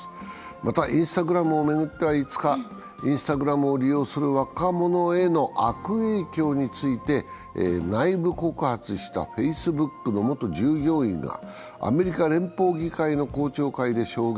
また、Ｉｎｓｔａｇｒａｍを巡っては５日、Ｉｎｓｔａｇｒａｍを利用する若者への悪影響について内部告発したＦａｃｅｂｏｏｋの元従業員がアメリカ連邦議会の公聴会で証言。